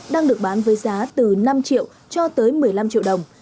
đang được bán với giá từ năm triệu cho tới một mươi năm triệu đồng